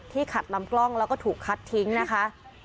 ขัดลำกล้องแล้วก็ถูกคัดทิ้งนะคะ